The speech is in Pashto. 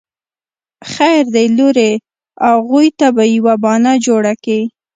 خير دی لورې اغوئ ته به يوه بانه جوړه کې.